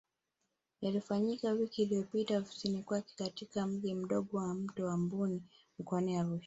Yaliyofanyika wiki iliyopita ofisini kwake katika Mji mdogo wa Mto wa Mbu mkoani Arusha